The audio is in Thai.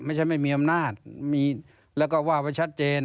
ไม่ใช่ไม่มีอำนาจแล้วก็ว่าว่าชัดเจน